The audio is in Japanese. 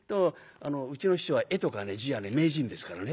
うちの師匠は絵とか字はね名人ですからね。